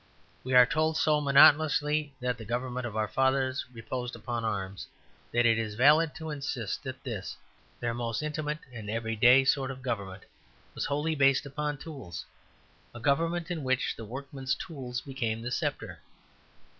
We are told so monotonously that the government of our fathers reposed upon arms, that it is valid to insist that this, their most intimate and everyday sort of government, was wholly based upon tools; a government in which the workman's tool became the sceptre.